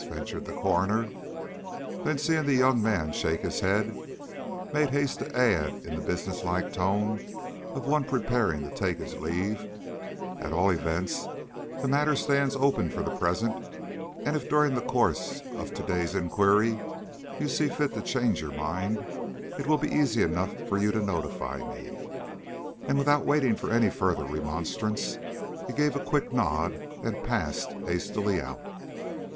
ventured the coroner. Then seeing the young man shake his head, made haste to add in the business like tone of one preparing to take his leave, "At all events the matter stands open for the present; and if during the course of to day's inquiry you see fit to change your mind, it will be easy enough for you to notify me." And without waiting for any further remonstrance, he gave a quick nod and passed hastily out.